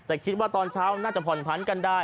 แต่คิดว่าตอนเช้าน่าจะผ่อนพันกันได้